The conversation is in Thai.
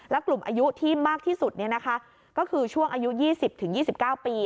และกลุ่มอายุที่มากที่สุดก็คือช่วงอายุ๒๐๒๙ปี